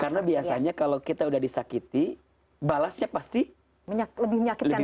karena biasanya kalau kita sudah disakiti balasnya pasti lebih menyakitkan